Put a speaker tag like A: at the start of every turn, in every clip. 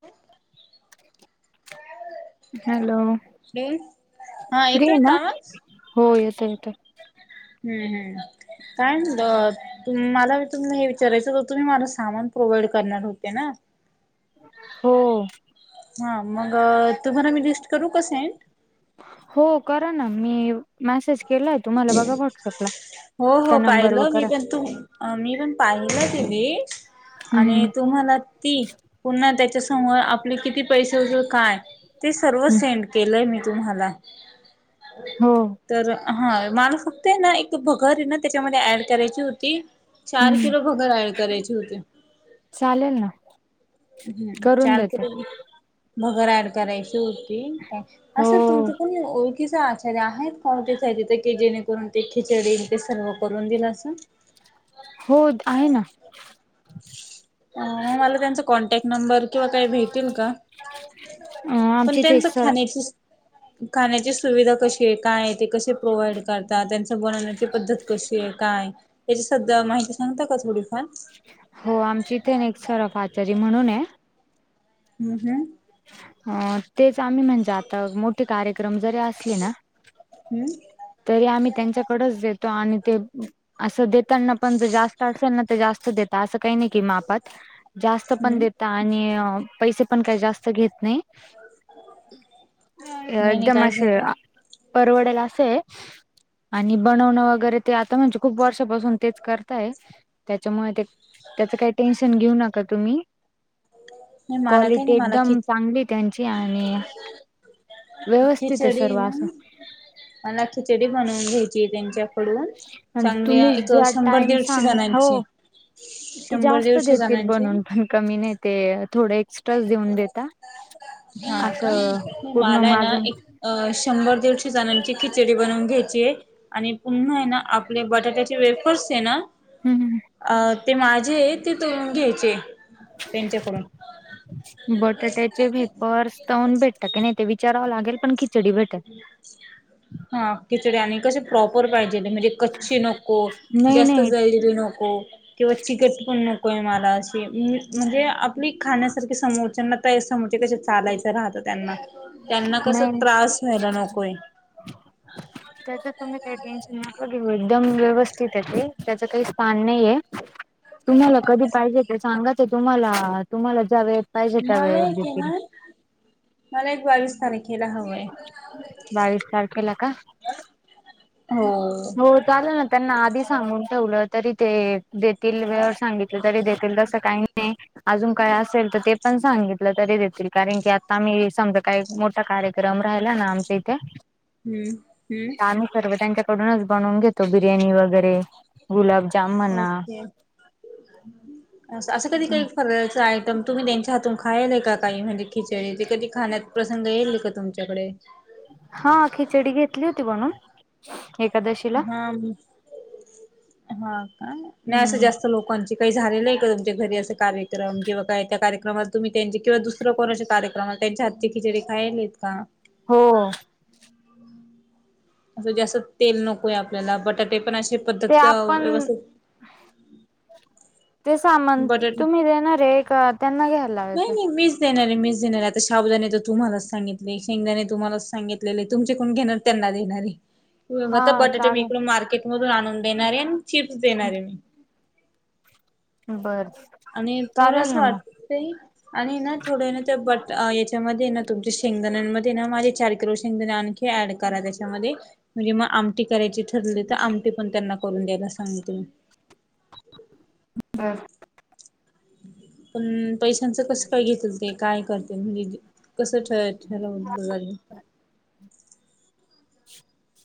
A: [inaudible] Hello
B: hello हा येतोय का
A: रिना
B: आवाज
A: हो येतं येतं
B: हम्म हम्म काय द मला तुमला हे विचारायचं तर तुम्ही मझ सामान प्रोव्हाइड करणार होते ना
A: हो
B: हा मग तुम्हाला मी लिस्ट करू का सेंड
A: हो करा ना मी मेसेज केलाय तुम्हाला बघा व्हॉट्सअपला
B: हो हो
A: त्या नंबरवर
B: पाहिलं मी
A: करा
B: पण तू मी पण पाहिलं तली
A: हम्म
B: आणि तुम्हाला ती पुन्हा त्याच्या समोर आपले किती पैसे वगैर काय ते सर्व
A: हम्म
B: सेंड केलंय मी तुम्हाला
A: हो
B: तर हा माला फक्त आहे ना एक भगर ना त्याच्यामध्ये ऍड करायची होती चार
A: हम्म
B: किलो भगर ऍड करायचे होते
A: चालेल ना
B: हम्म
A: करून
B: चाल त
A: देते
B: मगर ऍड करायची होती का
A: हो
B: असं तुमचं कोणीओ ि आचार्य आहेत काट तिथ की जेणेकरून ते खिचडी ते सर्व करून दिल असं
A: हो आहे ना
B: मला त्यांचा कॉन्टॅक्ट नंबर किंवा काही भेटेल का पण
A: आमची इथे
B: त्यांच
A: एक सर
B: खाण्याची खाण्याची सुविधा कशी आहे काय आहे ते कसे प्रोव्हाइड करतात त्यां बनवण्याची पद्धत कशी आहे काय आहे याची सगळ माहिती सांगता का थोडीफार
A: हो आमची इथे ना एक सरफ आचारी म्हणून आहे
B: हम्म हम्
A: अ तेच आम्ही म्हणजे आता मोठ ते कार्यक्रम जरी असले ना
B: हम्म
A: तरी आम्ही त्यांच्याकडेच देतो आणि ते असं देताना पण जास्त असेल ना तर जास्त देतात असं काही नाही की मापात जास्त पण
B: हम्म
A: देत आणि पैसे पण काही जास्त घेत नाही
B: नाही नाही
A: एकदम
B: काय
A: असे
B: झालं
A: परवडेल असेय आणि बनवणं वगैरे ते आता म्हणजे खूप वर्षापासून तेच करताय त्याच्यामुळे ते त्याच काही टेन्शन घेऊ नका तुम्ही
B: नाही मला काही
A: क्वालिटी
B: नाही मला खि
A: एकदम चांगली त्यांची आणि व्यवस्थित आहे
B: खिचडी
A: सर्व असं
B: ना मला खिचडी बनवून घ्यायची त्यांच्याकडून चांगल्या
A: तुम्ही
B: एक
A: ज्या
B: शंभर
A: टाइम
B: दीडशे
A: सांग हो
B: जणांची
A: ते
B: शंभर
A: जास्त
B: दीडशे
A: देतील
B: जणांची
A: बनवून पण कमी नाही ते थोड एक्स्ट्रा देऊन देता
B: हा का
A: असं पूर्ण
B: मला आहे ना
A: माझं
B: एक अ शंभर दीडशे जणांची खिचडी बनवून घ्यायची आहे आणि पुन्हा आहे ना आपले बटाट्याचे वेफर्स आहे ना
A: हम्म
B: अ ते माझे आहेत तिथून घ्यायचे त्यांच्याकडून
A: पर्सटऊन भेटत काी नाही ते विचारवं लागेल पण खि
B: हा खिचड्या आणि कसे प्रॉपर पाहिजे म्हणजे कच्चे नको
A: नाही
B: जास्त
A: नाही
B: जळलेले नको किंवा चिकट पण नकोय मला अशी म्हणजे आपली खाण्यासारखे समोरच ं म्हणजे कस चालायचं राहतं त्यांना त्यांना
A: नाही
B: कसं
A: नाही
B: त्रास व्हायला नकोय
A: [inaudible] त्याचं तुम्ही काही टेन्शन नका घेऊ एकदम व्यवस्थित आहे ते त्याच काही स्थान नाही आहे तुम्हाला कधी पाहिजे ते सांगाचं तुम्हाला तुम्हाला ज्या वेळेत पाहिजे त्या वेळ
B: मला एक आहे
A: देखील
B: ना मला एक बावीस तारखेला हवंय
A: बावीस तारखेला का
B: हो
A: झालं ना त्यांना आधी सांगून ठेवलं तरी ते देतील वे सांगित तरी देतील तसं काही नाही अजून काय असेल तर ते पण सांगितलं तरी देतील कारण की आता मी समजा काही मोठा कार्यक्रम राहिला ना आमच्या इथे
B: हम्म हम्म
A: तर आम्ही सर्व त्यांच्याकडूनच बनवून घेतो बिर्याणी वगैरे गुलाबजाम म्हणा
B: ओके अस असं कधी काही खर चा आयटम तुम्ही त्यांच्या हातून खायलय काही म्हणजे खिचडी ते कधी खाण्यात प्रसंग येईल का तुम च्याकडे
A: हा खिचडी घेतली होती म्हणून एकादशी
B: हा हा का नाहीं अस
A: हम्म
B: जास्त लोक कोण काही झालेलं आहे का तुमच्या घरी अस कार्यक्रम किंवा काय त्या कार्यक्रमात तुम्ही त्यांचे किंवा दुसर्या कोणाच्या कार्यक्रमला त्यांच्या हातची खिचडी खायलेत का
A: हो
B: असं जास्त तेल नकोय आपल्याला बटाटे पण असे
A: ते आपण ते सामान
B: बटाटे
A: तुम्ही देणार आहे का त्यांना घ्या.
B: नाही नाही मी. देणारे मिस देणारे आता शाबदाने तर तुम्हालाच सांगितले शेंगदाने तुम्हालाच सांगितले तुमचे कोण घेणार. त्यांना देणारी.
A: [unintelligible]
B: आता बटाटे मी
A: चालेल
B: इकड मार्केट मधून आणून देणार आहे आणि चिप्स देणार आहे मी.
A: बर
B: आणि
A: चालेल
B: थोडस
A: ना मग
B: वाटतय. आणि ना थोड ना त्या बट याच्यामध्ये ना तुमच्या शेंगदाण्यामध्ये ना माझे चार किलो शेंगदाणे आणखी. हे ऍड करा त्याच्यामध्ये. म्हणजे मग आमटी करायची ठरली तर आमटी पण त्यांना करून द्यायला सांगते मी.
A: बरं.
B: पण पैशांचं कस काय घेतल ते काय करते म्हणजे. कसं ठ ठवलं.
A: ह.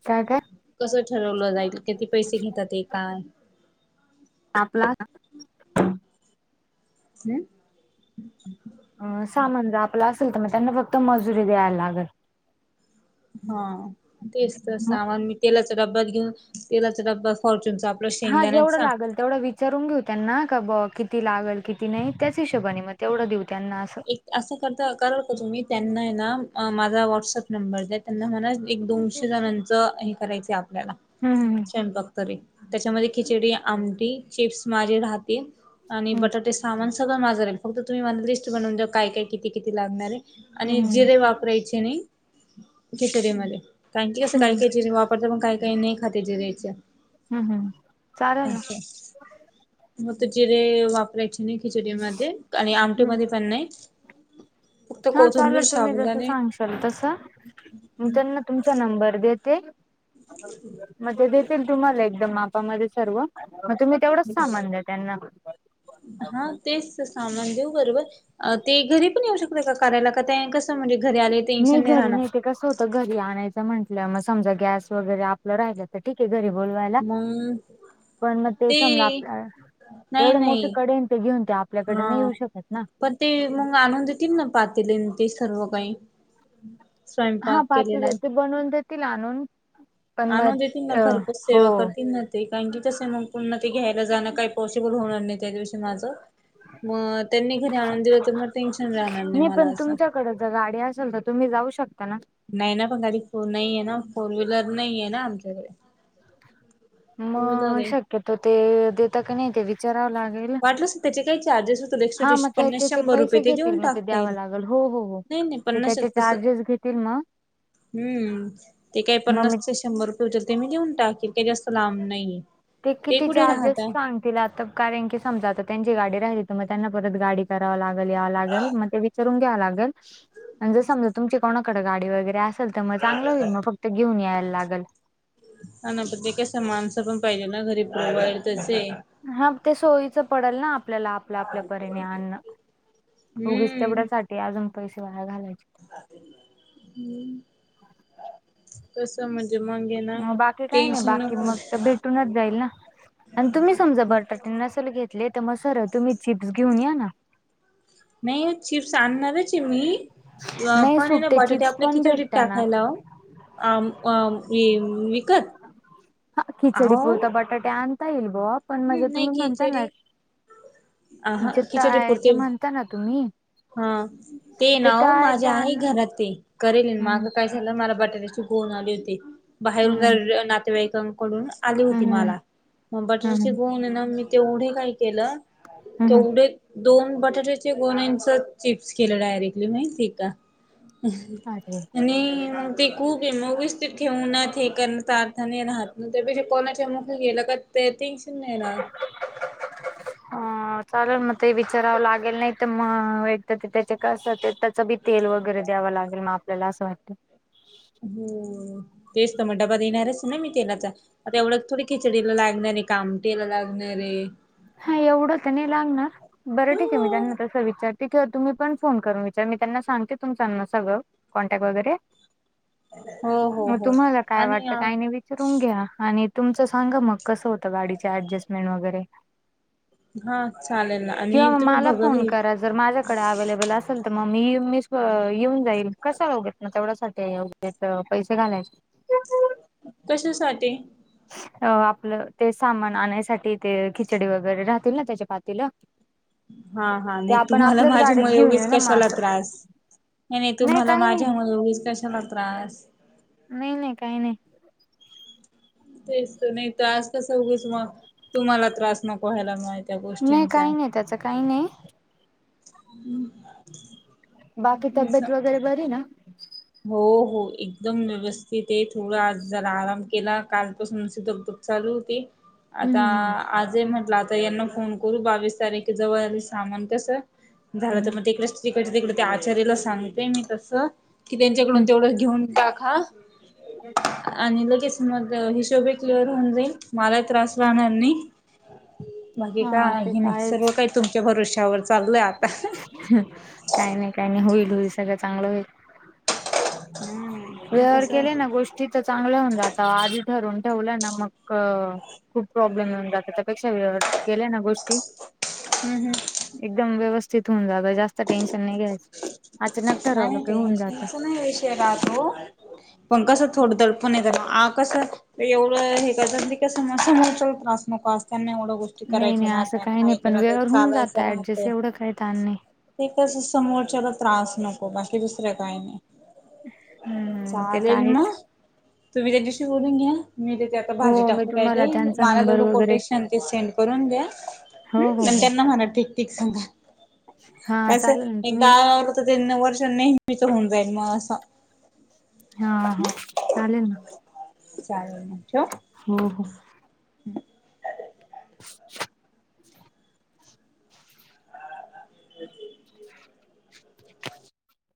A: सगर.
B: कसं ठरवलं जाईल किती पैसे घेतात ते काय.
A: आपला.
B: हम्म.
A: अ सामान ज आपला असेल तर मग त्यांना फक्त मजुरी द्यायला लागल.
B: हा तेच तर
A: मग
B: सामान मी तेलाचा डब्यात घेऊन तेलाचा डब्बा फॉर्च्युून चा.
A: हा जेवढं लागेल. तेवढं विचारून घेऊ त्यांना का ब किती लागेल किती नाही त्याच हिशेबाने मग तेवढं देऊ त्यांना असं.
B: एक असं करता कररा का तुम्ही त्यांना आहे ना माझा व्हॉट्सअप नंबर द त्यांना मला. एक दोनशे जणांचं हे करायचं आपल्याला
A: हम्म
B: क्षंपक तरी. त्याच्यामध्ये खिचडी आमटी चिप्स माझे राहतील. आणि
A: हम्म
B: बटाटे सामान सगळं माजर राहील फक्त तुम्ही मन लिस् बनवून द्या काय काय किती किती लागणार आहे. आणि
A: हम्म
B: जिरे वापरायचे नाही किचरीे मध्ये कारण की कसं काही
A: हम्म
B: काहीय ज वाप. पण काही काही नाही खात्या दयच अ.
A: हम्म हम्म चालेल ना
B: मग तर जिरे वापरायचे नाही खिचडी म आणि आमटे
A: हम्म
B: म पण नाही. फक्त
A: हा चाल
B: कोथंबीर
A: तुम्ही जस
B: शाबुदाणे
A: सांगशाल तस त्यांना तुमचा नंबर देत. ते मग ते देतील तुम्हाला एकदम मापामध्ये सर्व मग तुम्ही. तेवढंच साबंध आहे त्यांना.
B: हा तेच सामान देऊ बरोबर. ते घरी पण येऊ शकत का कार्यायला का ते कस म्हणजे घरी आले टेन्शन नाही राहणार.
A: होत घरी आणायचं म्हटलं मग समजा गॅस वगैरे आपलं राहिल. ठीक आहे घरी बोलवायला
B: मग
A: पण मग ते समज आपल्या.
B: नाही
A: एवढं
B: नाही
A: मोठं कडेन ते घेऊन ते आपल्याकडे
B: हा
A: नाही येऊ शकत ना.
B: पण ते मग आणून देतील ना पातेले ते सर्व काही.
A: हा
B: स्वयंपाक
A: पाात
B: केलेला
A: य
B: आहे.
A: ते बनवून देतील आणून. पण
B: आणून
A: मग
B: देतील ना
A: अ
B: घरपोच
A: हो
B: सेवा करतील ना. ते कारण की तसे मग पुन्हा ते घ्यायला जाणं काही पॉसिबल होणार नाही त्या दिवशी माझं. मग त्यांनी घरी आणून दिलं तर मग टेन्शन राहणार नाही मला असं.
A: क गाडी असेल तर तुम्ही जाऊ शकता ना.
B: नाही ना पण गाडीो नाही आहेे ना फोर व्हीलर नाही आहेे ना आमच्याकडे. टू व्हीलर
A: मग
B: आहे
A: शक्यतो ते देता क नाही ते विचारावं लागेल.
B: वाटलंस त्याचे काही चार्जेस होतील एक
A: हा मग
B: पन्नास
A: त्याचे
B: शंभर रुपये
A: पैसे
B: ते
A: घेतील
B: देऊन
A: मग
B: टाकता येईल.
A: द्यावं लागेल हो हो हो
B: नाही नाही
A: ते त्याचे
B: पन्नासच तस
A: चार्जेस घेतील मग
B: हम्म ते काय
A: मग
B: पन्नास.
A: मी
B: शंभर रुपये उचल ते मी लिहन टाकेल का जास्त लांब नाही ते कुठे राहत.
A: तिला आता कारण की समजा आता त्यांची गाडी राहिली हो त मग त्यांना परत गाडी कराव लागल यावं लागेल मग ते. चरून घ्यावा लागेल. म्हणजे समजा तुमची कोणाकडें गाडी वगैरे असेल तर मग चांगलं होईल मग फक्त घेऊन यायला लागल
B: ह ना प्रण्य का समानस पण पाहिजे ना घरी पवाल तसे
A: हा ते सोयीचं पडेल ना आपल्याला आपलं आपल्यापिने अण
B: हम्म
A: तेवढ्यासाठीठी अजून पैसे वाया घालायचे
B: हम्म कस म्हणजे मगे ना टेन्शन नको
A: च जाईल ना आणि तुम्ही समजा बटाटे नसल घेतले तर मग सर तुम्ही चिप्स घेऊन या ना
B: नाही चिप्स आणणारची मी
A: नाही
B: पण आहे ना
A: सुट्टे
B: बटाटे
A: चिप्स
B: आपल्या
A: पण
B: किती ट्रीप
A: भेटता ना
B: टाकायला आम आ विकत
A: ह
B: अहो
A: खिचडीपूर्त बटाट्या अंत इल्बो पण म्हणजे
B: नाही
A: तुम्ही म्हणता ना
B: खिचडी अह
A: म्हण जे
B: खिचडी पुरते
A: तयाचे म्हणता ना तुम्ही
B: हा ते ना
A: तळायचे
B: माझ्या आहे
A: अन्न
B: घरात ते करेल
A: हम्म
B: माग काय त्याला मला बटाट्याची बोन आली होती बाहेरून
A: हम्म
B: नातेवाईकांकडून आली होती
A: हम्म हम्म
B: मला मग बटर श
A: हम्म
B: गून ना मी तेवढे काय केलं
A: हम्म
B: तेवढे दोन बटाट्याचे दोन इंच चिप्स केले डायरेक्टली माहिती का
A: अरे
B: आणि ते खूप व्यस्थित ठेव ना ते करचा अारथने राहत ना त्याे कोणाच्या मुख गेलं तर ते सन ना
A: [unintelligible] ह चालेल मग ते विचारावं लागेल नाही तर मग एकदा ते त्याचे कसं बी तेल वगैरे द्यावं लागेल मग आपल्याला असं वाटतं
B: हो तेच तर मग डबा देणारच ना मी तेलाचा आता एवढं थोडी खिचडीला लागणारे कामटेला लागणारे
A: हा एवढं तर नाही लागणार बरं ठीक आहे मी जाणार तस विचार ठीक आहे तुम्ही पण फोन करून विचार मी त्यांना सांगते तुमच्याना सगळं कॉन्टॅक्ट वगैरे
B: हो हो
A: म
B: हो
A: तुम्हाला काय
B: आणि
A: वाटत काही नाही विचारून घ्या आणि तुमचं सांगा मग कस होतं गाडी ऍडजस्टमेंट वगैरे
B: हा चालेल ना
A: किंवा
B: आणि
A: म
B: तुम्ही
A: मला
B: भगर
A: फोन
B: हे
A: करा जर माझ्याकडे अववेलेबल अस ल मग मी मी येऊन जाईल कस होोगेत नाग तेवढ्यासाठी ये त्यात पैसे घालायचे
B: कशासाठी
A: अ आपलं ते सामान आणायसाठी ते खिचडी वगैरे राहतील ना त्याच्या पातीला
B: हा हा
A: ते
B: नाही
A: आपण
B: तुम्हाला
A: आपल्याच गाडीत
B: माझ्यामुळे
A: घेऊन
B: एवढेच
A: येऊ ना मग
B: कशाला
A: असं
B: त्रास नाही नाही तुम्हाला
A: काही नाही
B: माझ्यामुळेच कशाला त्रास
A: नाही नाही काही नाही
B: हम् तेच तर नाही त्रास कसा होगो त तुम्हाला त्रास नको व्हायला मा त्या गोष्टींचा
A: त्याच काही नाही बाकी तब्येत
B: असं
A: वगैरे बरी ना
B: हो हो एकदम व्यवस्थित आहे थोडा आज जरा आराम केला कालपासूनध चालू ते आता
A: हम्म हम्म
B: आजे म्हटलं आता यांना फोन करू बावीस तारखे जवळ आले सामान कसं झालं
A: हम्म
B: तर मग तिकडेच तिकड तिकड ते आचार्याला सांगतेय मी तसं कि त्यांच्याकडून
A: हम्म
B: तेवढं घेऊन टाका
A: हम्म
B: आणि लगेच मग हिशोबी क्लिअर होऊन जाईल मला त्रास राहणार नाही बाकी का
A: हा ते
B: आहे
A: तर
B: नाही
A: आहेच
B: सर्व काही तुमच्या भरोश्यावर चाललंय आता
A: काही नाही काही नाही होईल होईल सगळं चांगलं होईल
B: हम्म मी
A: व्यवहार
B: कसं
A: केले ना गोष्टी तर चांगल्या होऊन जात आधी ठरून ठेवलं ना मग खूप प्रॉब्लेम होऊन जातात त्यापेक्षा वेळेत केल्या ना गोष्टी
B: हम्म हम्
A: एकदम व्यवस्थित होऊन जातं, जास्त टेन्शन नाही घ्यायचं अचानक ठरवलं की होऊन जातं.
B: तेला त पण कसं थोडं दडपण झालं आ कस एवढं हे का कस समोरच्या त्रास नको असताना एवढा गोष्ट
A: नाही
B: करायच्या
A: नाही
B: ना
A: असं काही नाही
B: खायच्या
A: पण
B: ना तर
A: वेळेवर होऊन जात
B: चालायचं
A: ऍडजस्ट एवढं काही ताण नाही
B: राहत एकच समोरच्याला त्रास नको बाकी दुसरे काही नाही
A: हम्म ते तर
B: चालेल
A: आहेच
B: मग तुम्ही त्या दिवशी बोलून घ्या मी तेच्या
A: हो
B: भाजी
A: मी
B: टाकू
A: तुम्हाला
B: राहिले
A: त्यांचा
B: मला
A: नंबर
B: तेवढं
A: वगैरे
B: कोटेशन ते सेंड करून द्या
A: हो
B: हम्
A: हो
B: पण
A: हो
B: त्यांना मार ठीक ठीक
A: हा
B: सांगासं
A: चालेल ना
B: एक
A: तुम्ही
B: गावर त्यांना वर्ष नेहमीच होऊन जाईल मग असं
A: हा हा चालेल ना
B: चालेल ना च ठेव
A: हो हो
B: ह हम्